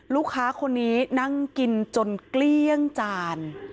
ลูกค้าคนนี้นั่งกินจนเกลี้ยงจาน